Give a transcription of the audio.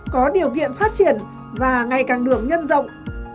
có điều kiện phát triển và ngày càng được nhân rộng